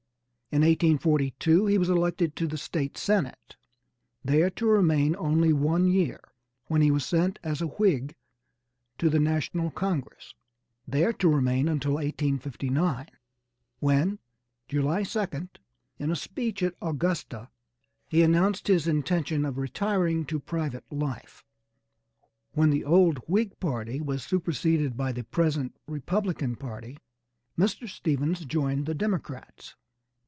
In 1842 he was elected to the State senate, there to remain only one year when he was sent as a Whig to the national congress, there to remain until 1859 when, July 2nd, in a speech at Augusta he announced his intention of retiring to private life. When the old Whig party was superceded by the present Republican party Mr. Stephens joined the Democrats.